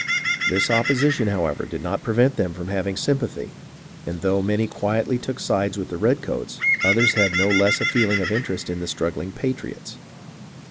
This opposition, however, did not prevent them from hav ing sympathy, and though many quietly took sides with the redcoats, others had no less a feeling of interest in the struggling patriots.